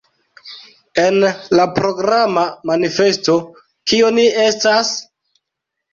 En la programa manifesto Kio ni estas?